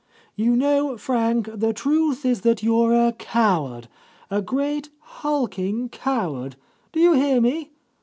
You know, Frank, the truth is that you're a coward; a great, hulking coward. Do you hear me?